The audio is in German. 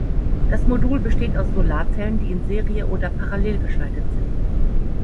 Das Modul besteht aus Solarzellen, die in Serie oder parallel geschaltet sind.